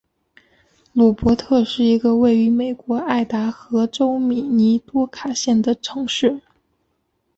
鲁珀特是一个位于美国爱达荷州米尼多卡县的城市。